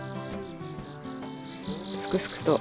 すくすくと。